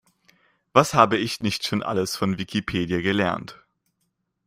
Was habe ich nicht schon alles von Wikipedia gelernt!